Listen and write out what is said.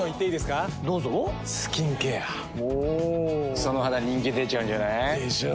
その肌人気出ちゃうんじゃない？でしょう。